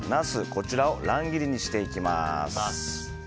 こちらを乱切りにしていきます。